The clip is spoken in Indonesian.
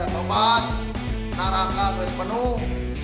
kapan naraka kepenuh